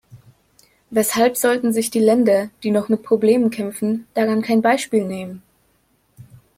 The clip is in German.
Weshalb sollten sich die Länder, die noch mit Problemen kämpfen, daran kein Beispiel nehmen?